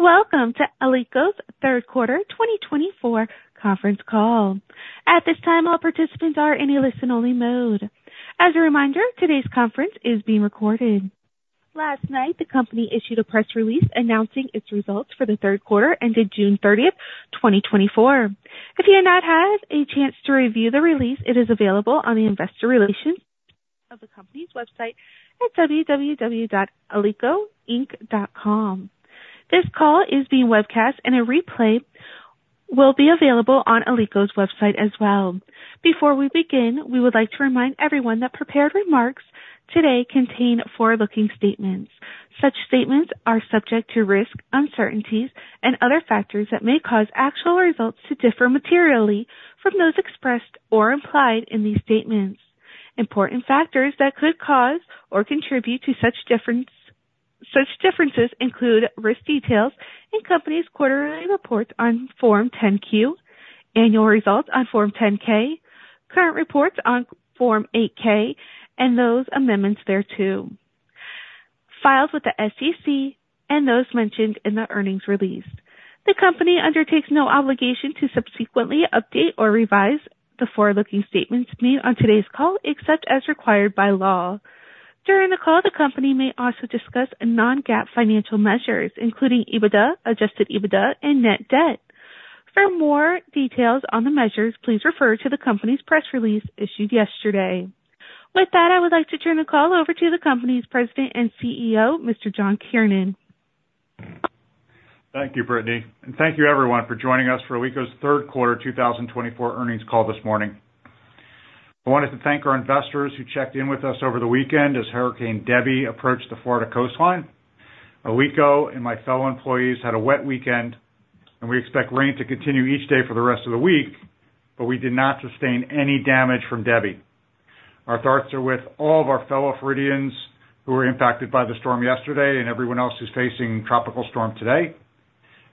Welcome to Alico's third quarter 2024 conference call. At this time, all participants are in a listen-only mode. As a reminder, today's conference is being recorded. Last night, the company issued a press release announcing its results for the third quarter ended June 30, 2024. If you have not had a chance to review the release, it is available on the investor relations of the company's website at www.alicoinc.com. This call is being webcast, and a replay will be available on Alico's website as well. Before we begin, we would like to remind everyone that prepared remarks today contain forward-looking statements. Such statements are subject to risks, uncertainties and other factors that may cause actual results to differ materially from those expressed or implied in these statements. Important factors that could cause or contribute to such differences include risk details in the company's quarterly reports on Form 10-Q, annual results on Form 10-K, current reports on Form 8-K, and those amendments thereto, filed with the SEC, and those mentioned in the earnings release. The company undertakes no obligation to subsequently update or revise the forward-looking statements made on today's call, except as required by law. During the call, the company may also discuss non-GAAP financial measures, including EBITDA, adjusted EBITDA, and net debt. For more details on the measures, please refer to the company's press release issued yesterday. With that, I would like to turn the call over to the company's President and CEO, Mr. John Kiernan. Thank you, Brittany, and thank you everyone for joining us for Alico's third quarter 2024 earnings call this morning. I wanted to thank our investors who checked in with us over the weekend as Hurricane Debby approached the Florida coastline. Alico and my fellow employees had a wet weekend, and we expect rain to continue each day for the rest of the week, but we did not sustain any damage from Debbie. Our thoughts are with all of our fellow Floridians who were impacted by the storm yesterday and everyone else who's facing tropical storm today.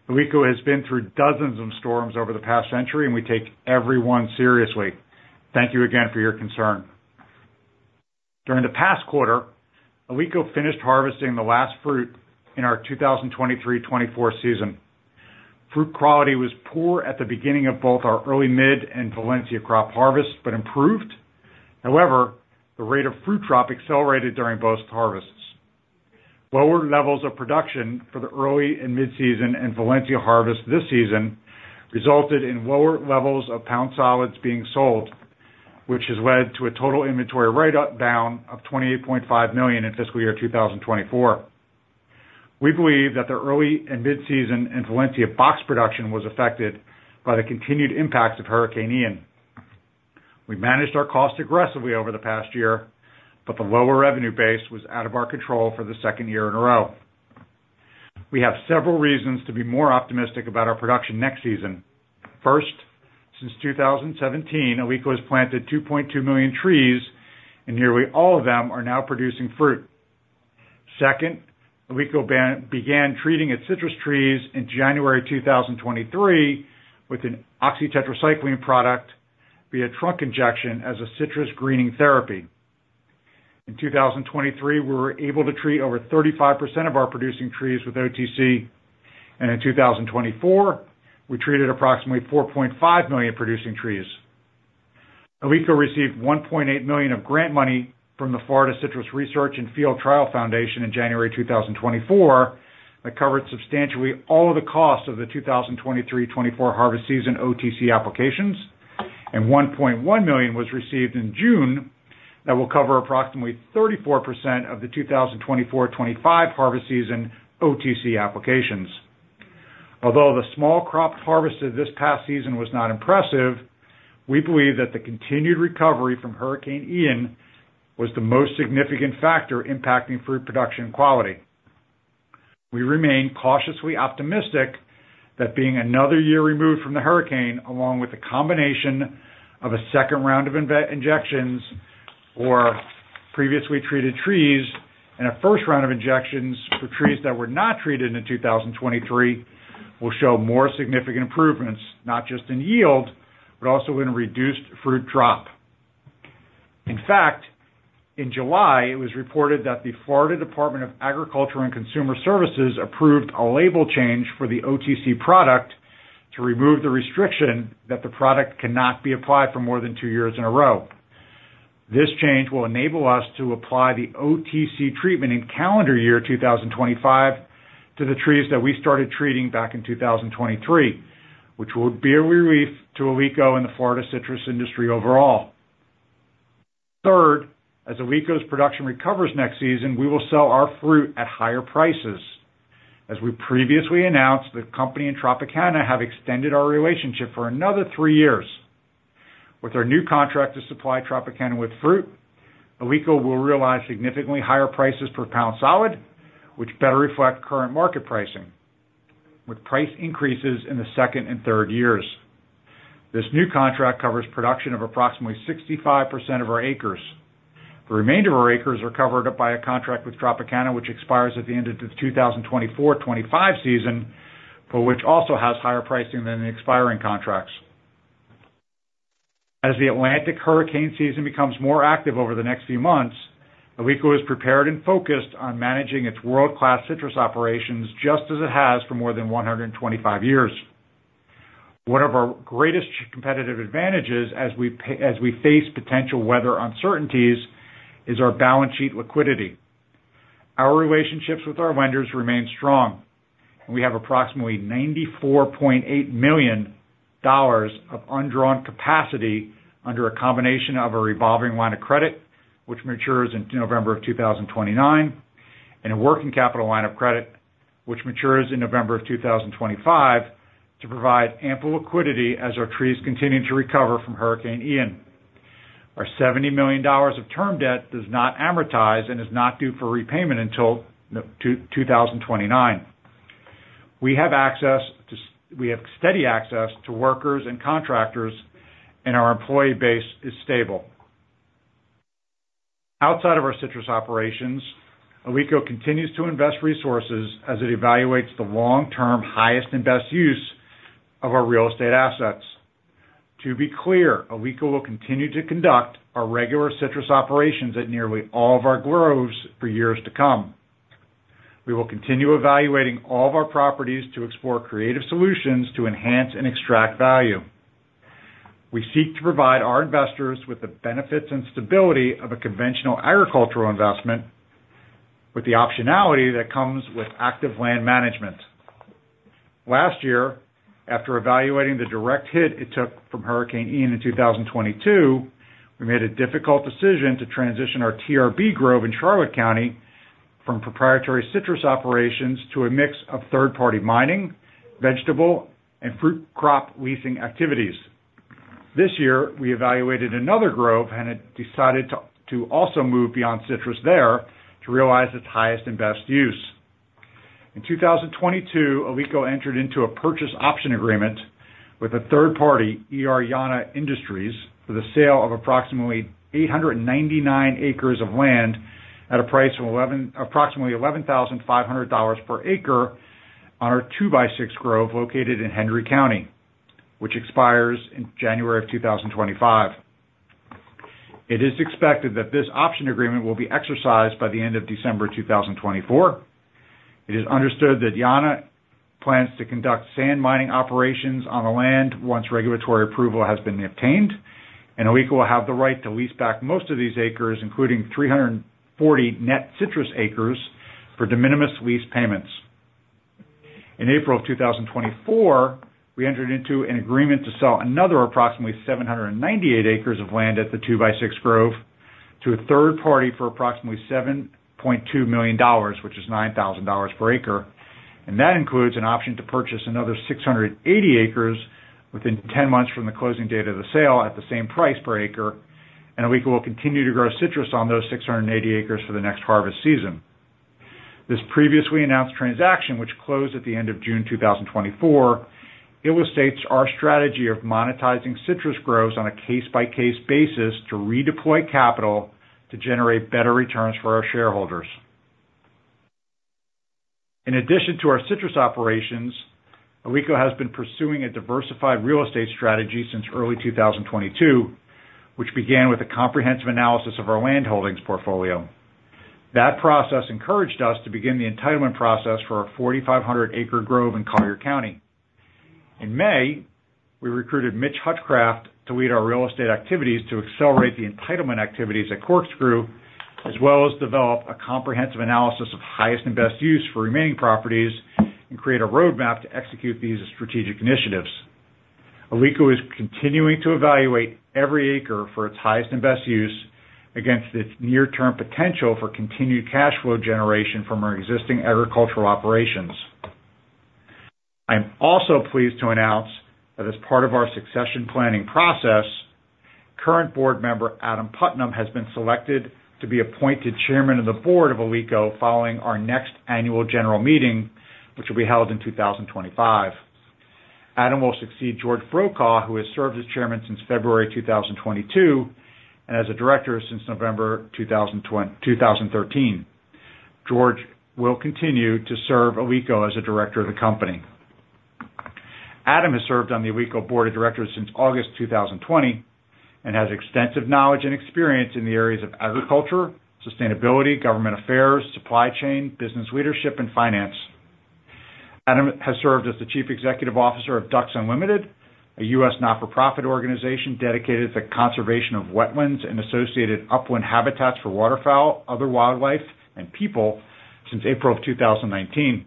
Alico has been through dozens of storms over the past century, and we take every one seriously. Thank you again for your concern. During the past quarter, Alico finished harvesting the last fruit in our 2023-24 season. Fruit quality was poor at the beginning of both our early, mid, and Valencia crop harvest, but improved. However, the rate of fruit drop accelerated during both harvests. Lower levels of production for the early and mid-season and Valencia harvest this season resulted in lower levels of pound solids being sold, which has led to a total inventory write-down of $28.5 million in fiscal year 2024. We believe that the early and mid-season in Valencia box production was affected by the continued impacts of Hurricane Ian. We managed our costs aggressively over the past year, but the lower revenue base was out of our control for the second year in a row. We have several reasons to be more optimistic about our production next season. First, since 2017, Alico has planted 2.2 million trees, and nearly all of them are now producing fruit. Second, Alico began treating its citrus trees in January 2023 with an oxytetracycline product via trunk injection as a citrus greening therapy. In 2023, we were able to treat over 35% of our producing trees with OTC, and in 2024, we treated approximately 4.5 million producing trees. Alico received $1.8 million of grant money from the Florida Citrus Research and Field Trial Foundation in January 2024. That covered substantially all of the costs of the 2023-24 harvest season OTC applications, and $1.1 million was received in June that will cover approximately 34% of the 2024-25 harvest season OTC applications. Although the small crop harvested this past season was not impressive, we believe that the continued recovery from Hurricane Ian was the most significant factor impacting fruit production quality. We remain cautiously optimistic that being another year removed from the hurricane, along with a combination of a second round of injections for previously treated trees and a first round of injections for trees that were not treated in 2023, will show more significant improvements, not just in yield, but also in reduced fruit drop. In fact, in July, it was reported that the Florida Department of Agriculture and Consumer Services approved a label change for the OTC product to remove the restriction that the product cannot be applied for more than two years in a row. This change will enable us to apply the OTC treatment in calendar year 2025 to the trees that we started treating back in 2023, which will be a relief to Alico and the Florida citrus industry overall. Third, as Alico's production recovers next season, we will sell our fruit at higher prices. As we previously announced, the company and Tropicana have extended our relationship for another three years. With our new contract to supply Tropicana with fruit, Alico will realize significantly higher prices per pound solid, which better reflect current market pricing, with price increases in the second and third years. This new contract covers production of approximately 65% of our acres. The remainder of our acres are covered up by a contract with Tropicana, which expires at the end of the 2024-25 season, but which also has higher pricing than the expiring contracts. As the Atlantic hurricane season becomes more active over the next few months, Alico is prepared and focused on managing its world-class citrus operations, just as it has for more than 125 years. One of our greatest competitive advantages as we face potential weather uncertainties, is our balance sheet liquidity. Our relationships with our vendors remain strong, and we have approximately $94.8 million of undrawn capacity under a combination of a revolving line of credit, which matures in November of 2029, and a working capital line of credit, which matures in November of 2025, to provide ample liquidity as our trees continue to recover from Hurricane Ian. Our $70 million of term debt does not amortize and is not due for repayment until 2029. We have steady access to workers and contractors, and our employee base is stable. Outside of our citrus operations, Alico continues to invest resources as it evaluates the long-term, highest and best use of our real estate assets. To be clear, Alico will continue to conduct our regular citrus operations at nearly all of our groves for years to come. We will continue evaluating all of our properties to explore creative solutions to enhance and extract value. We seek to provide our investors with the benefits and stability of a conventional agricultural investment, with the optionality that comes with active land management. Last year, after evaluating the direct hit it took from Hurricane Ian in 2022, we made a difficult decision to transition our TRB Grove in Charlotte County from proprietary citrus operations to a mix of third-party mining, vegetable, and fruit crop leasing activities. This year, we evaluated another grove and had decided to also move beyond citrus there to realize its highest and best use. In 2022, Alico entered into a purchase option agreement with a third party, E.R. Jahna Industries, for the sale of approximately 899 acres of land at a price of eleven- approximately $11,500 per acre on our 2x6 Grove located in Hendry County, which expires in January of 2025. It is expected that this option agreement will be exercised by the end of December 2024. It is understood that Jahna plans to conduct sand mining operations on the land once regulatory approval has been obtained, and Alico will have the right to lease back most of these acres, including 340 net citrus acres, for de minimis lease payments. In April of 2024, we entered into an agreement to sell another approximately 798 acres of land at the 2x6 Grove to a third party for approximately $7.2 million, which is $9,000 per acre. And that includes an option to purchase another 680 acres within 10 months from the closing date of the sale at the same price per acre, and Alico will continue to grow citrus on those 680 acres for the next harvest season. This previously announced transaction, which closed at the end of June 2024, illustrates our strategy of monetizing citrus groves on a case-by-case basis to redeploy capital to generate better returns for our shareholders. In addition to our citrus operations, Alico has been pursuing a diversified real estate strategy since early 2022, which began with a comprehensive analysis of our land holdings portfolio. That process encouraged us to begin the entitlement process for our 4,500-acre grove in Collier County. In May, we recruited Mitch Hutchcraft to lead our real estate activities to accelerate the entitlement activities at Corkscrew, as well as develop a comprehensive analysis of highest and best use for remaining properties and create a roadmap to execute these strategic initiatives. Alico is continuing to evaluate every acre for its highest and best use against its near-term potential for continued cash flow generation from our existing agricultural operations. I am also pleased to announce that as part of our succession planning process, current board member, Adam Putnam, has been selected to be appointed chairman of the board of Alico following our next annual general meeting, which will be held in 2025. Adam will succeed George Brokaw, who has served as chairman since February 2022, and as a director since November 2013. George will continue to serve Alico as a director of the company. Adam has served on the Alico board of directors since August 2020, and has extensive knowledge and experience in the areas of agriculture, sustainability, government affairs, supply chain, business leadership, and finance. Adam has served as the Chief Executive Officer of Ducks Unlimited, a U.S. not-for-profit organization dedicated to the conservation of wetlands and associated upland habitats for waterfowl, other wildlife, and people since April 2019.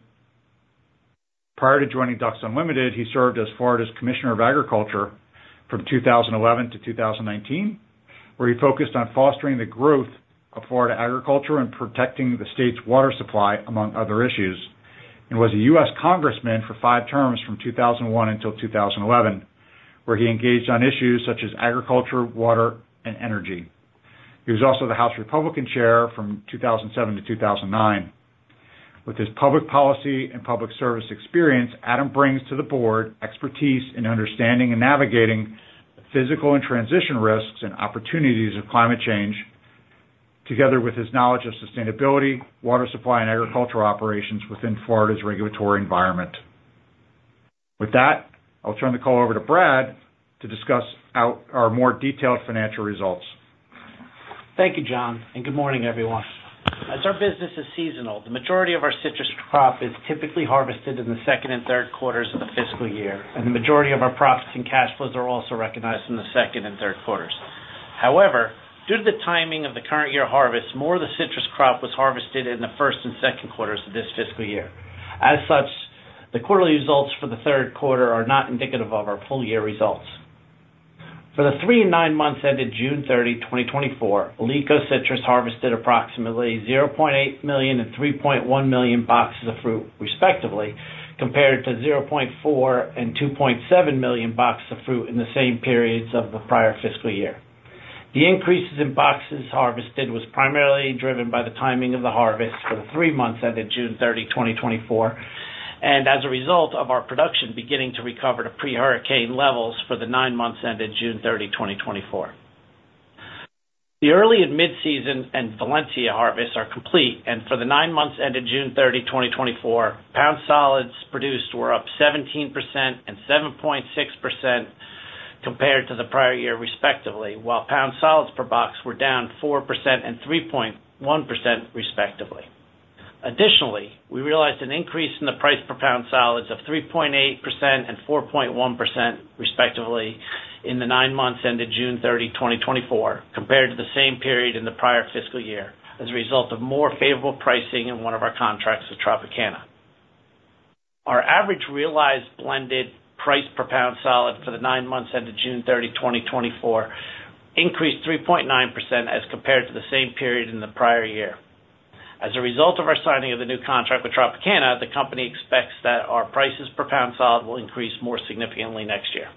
Prior to joining Ducks Unlimited, he served as Florida's Commissioner of Agriculture from 2011 to 2019, where he focused on fostering the growth of Florida agriculture and protecting the state's water supply, among other issues, and was a U.S. congressman for five terms from 2001 until 2011, where he engaged on issues such as agriculture, water, and energy. He was also the House Republican Chair from 2007 to 2009. With his public policy and public service experience, Adam brings to the board expertise in understanding and navigating the physical and transition risks and opportunities of climate change, together with his knowledge of sustainability, water supply, and agricultural operations within Florida's regulatory environment. With that, I'll turn the call over to Brad to discuss our more detailed financial results. Thank you, John, and good morning, everyone. As our business is seasonal, the majority of our citrus crop is typically harvested in the second and third quarters of the fiscal year, and the majority of our profits and cash flows are also recognized in the second and third quarters. However, due to the timing of the current year harvest, more of the citrus crop was harvested in the first and second quarters of this fiscal year. As such, the quarterly results for the third quarter are not indicative of our full year results. For the three and nine months ended June 30, 2024, Alico Citrus harvested approximately 0.8 million and 3.1 million boxes of fruit respectively, compared to 0.4 and 2.7 million boxes of fruit in the same periods of the prior fiscal year. The increases in boxes harvested was primarily driven by the timing of the harvest for the three months ended June 30, 2024, and as a result of our production beginning to recover to pre-hurricane levels for the nine months ended June 30, 2024. The early and mid-season and Valencia harvests are complete, and for the nine months ended June 30, 2024, pound solids produced were up 17% and 7.6% compared to the prior year, respectively, while pound solids per box were down 4% and 3.1%, respectively. Additionally, we realized an increase in the price per pound solids of 3.8% and 4.1%, respectively, in the nine months ended June 30, 2024, compared to the same period in the prior fiscal year, as a result of more favorable pricing in one of our contracts with Tropicana. Our average realized blended price per pound solid for the nine months ended June 30, 2024, increased 3.9% as compared to the same period in the prior year. As a result of our signing of the new contract with Tropicana, the company expects that our prices per pound solid will increase more significantly next year.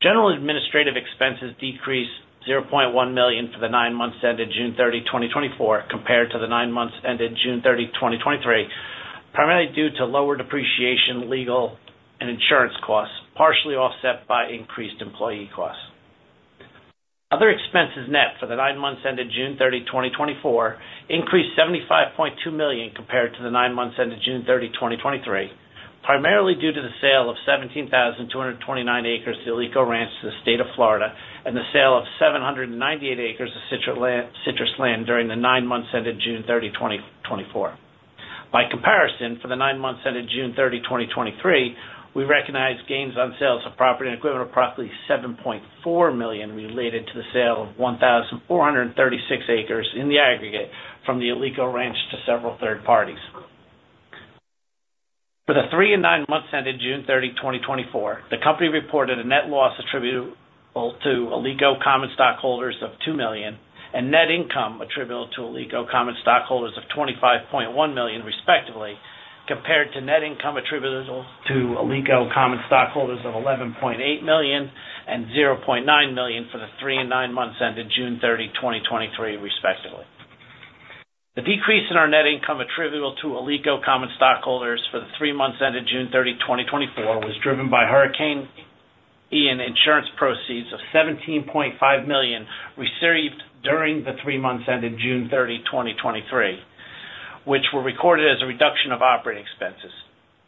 General administrative expenses decreased $0.1 million for the nine months ended June 30, 2024, compared to the nine months ended June 30, 2023, primarily due to lower depreciation, legal and insurance costs, partially offset by increased employee costs. Other expenses net for the nine months ended June 30, 2024, increased $75.2 million compared to the nine months ended June 30, 2023, primarily due to the sale of 17,229 acres of Alico Ranch to the state of Florida and the sale of 798 acres of citrus land during the nine months ended June 30, 2024. By comparison, for the nine months ended June 30, 2023, we recognized gains on sales of property and equipment of approximately $7.4 million related to the sale of 1,436 acres in the aggregate from the Alico Ranch to several third parties. For the three and nine months ended June 30, 2024, the company reported a net loss attributable to Alico common stockholders of $2 million and net income attributable to Alico common stockholders of $25.1 million, respectively, compared to net income attributable to Alico common stockholders of $11.8 million and $0.9 million for the three and nine months ended June 30, 2023, respectively. The decrease in our net income attributable to Alico common stockholders for the three months ended June 30, 2024, was driven by Hurricane Ian insurance proceeds of $17.5 million received during the three months ended June 30, 2023, which were recorded as a reduction of operating expenses.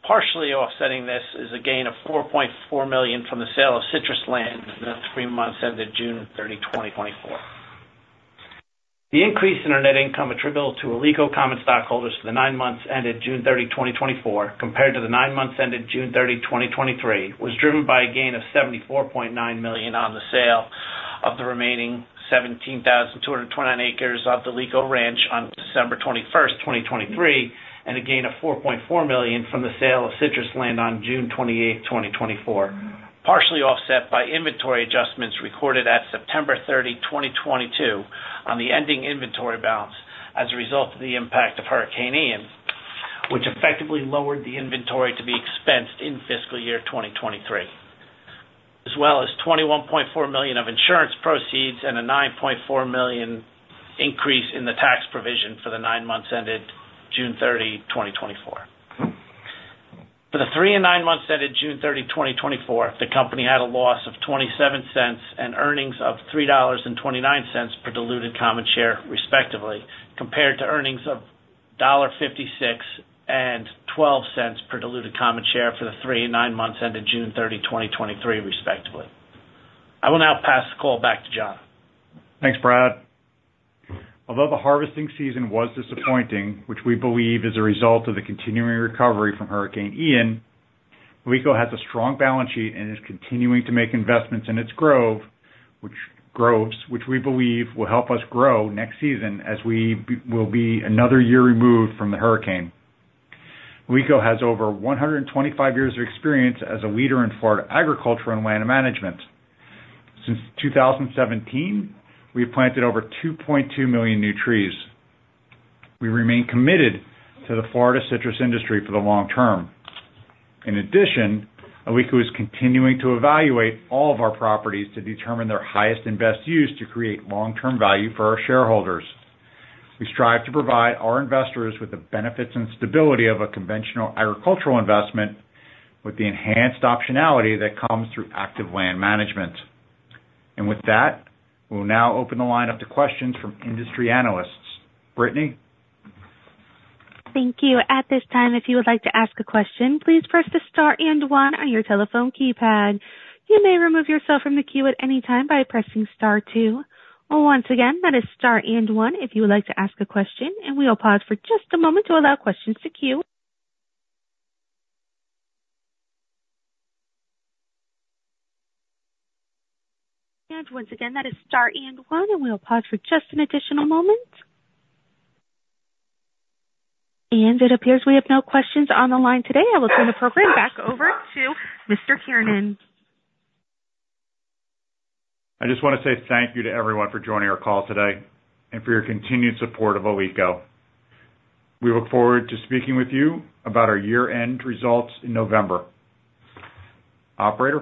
Partially offsetting this is a gain of $4.4 million from the sale of citrus land in the three months ended June 30, 2024. The increase in our net income attributable to Alico common stockholders for the nine months ended June 30, 2024, compared to the nine months ended June 30, 2023, was driven by a gain of $74.9 million on the sale of the remaining 17,229 acres of the Alico Ranch on December 21, 2023, and a gain of $4.4 million from the sale of citrus land on June 28, 2024. Partially offset by inventory adjustments recorded at September 30, 2022, on the ending inventory balance as a result of the impact of Hurricane Ian, which effectively lowered the inventory to be expensed in fiscal year 2023, as well as $21.4 million of insurance proceeds and a $9.4 million increase in the tax provision for the nine months ended June 30, 2024. For the three and nine months ended June 30, 2024, the company had a loss of $0.27 and earnings of $3.29 per diluted common share, respectively, compared to earnings of $1.56 and $0.12 per diluted common share for the three and nine months ended June 30, 2023, respectively. I will now pass the call back to John. Thanks, Brad. Although the harvesting season was disappointing, which we believe is a result of the continuing recovery from Hurricane Ian, Alico has a strong balance sheet and is continuing to make investments in its groves, which we believe will help us grow next season as we will be another year removed from the hurricane. Alico has over 125 years of experience as a leader in Florida agriculture and land management. Since 2017, we have planted over 2.2 million new trees. We remain committed to the Florida citrus industry for the long term. In addition, Alico is continuing to evaluate all of our properties to determine their highest and best use to create long-term value for our shareholders. We strive to provide our investors with the benefits and stability of a conventional agricultural investment with the enhanced optionality that comes through active land management. With that, we'll now open the line up to questions from industry analysts. Brittany? Thank you. At this time, if you would like to ask a question, please press the star and one on your telephone keypad. You may remove yourself from the queue at any time by pressing star two. Once again, that is star and one if you would like to ask a question, and we'll pause for just a moment to allow questions to queue. Once again, that is star and one, and we'll pause for just an additional moment. It appears we have no questions on the line today. I will turn the program back over to Mr. Kiernan. I just want to say thank you to everyone for joining our call today and for your continued support of Alico. We look forward to speaking with you about our year-end results in November. Operator?